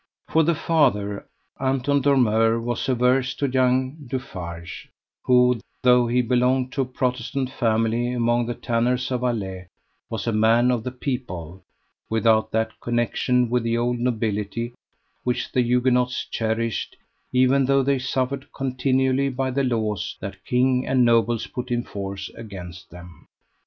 For the father, Anton Dormeur, was averse to young Dufarge, who though he belonged to a Protestant family among the tanners of Alais, was a man of the people, without that connection with the old nobility which the Huguenots cherished, even though they suffered continually by the laws that king and nobles put in force against them.